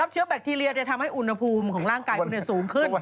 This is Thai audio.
เชื้อแบคทีเรียทำให้อุณหภูมิของร่างกายคุณสูงขึ้น